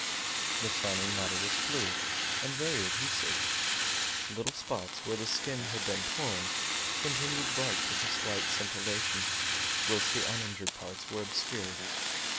The shining matter was fluid and very adhesive: little spots, where the skin had been torn, continued bright with a slight scintillation, whilst the uninjured parts were obscured.